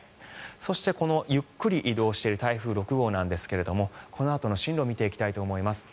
そして、このゆっくり移動している台風６号ですがこのあとの進路を見ていきたいと思います。